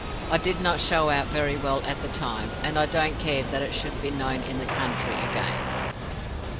I did not show out very well at the time, and I don't care that it should be known in the country again."